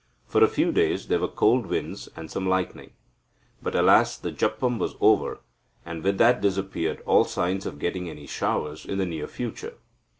For a few days there were cold winds, and some lightning. But, alas, the japam was over, and with that disappeared all signs of getting any showers in the near future.